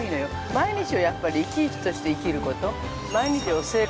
毎日をやっぱり生き生きとして生きること。